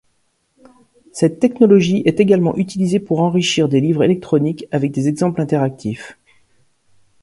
Cette technologie est également utilisée pour enrichir des livres électroniques avec des exemples interactifs.